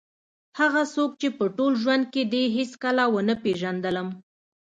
هغه څوک چې په ټول ژوند کې دې هېڅکله ونه پېژندلم.